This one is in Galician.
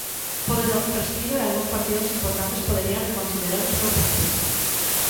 Pode dar un respiro e algúns partidos importantes poderían reconsiderar a súa postura.